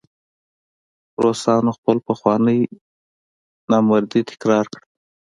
روسانو خپله پخوانۍ نامردي تکرار کړه.